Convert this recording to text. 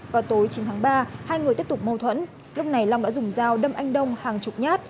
vào tối chín tháng ba hai người tiếp tục mâu thuẫn lúc này long đã dùng dao đâm anh đông hàng chục nhát